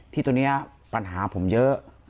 ตัวนี้ปัญหาผมเยอะ